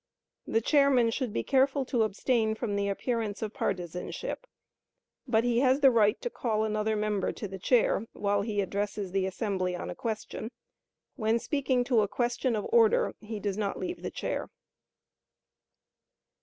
The chairman should be careful to abstain from the appearance of partizanship, but he has the right to call another member to the chair while he addresses the assembly on a question; when speaking to a question of order he does not leave the chair.